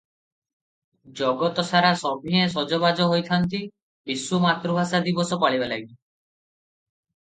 ଜଗତ ସାରା ସଭିଏଁ ସଜବାଜ ହୋଇଛନ୍ତି ବିଶ୍ୱ ମାତୃଭାଷା ଦିବସ ପାଳିବା ଲାଗି ।